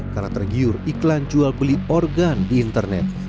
karena tergiur iklan jual beli organ di internet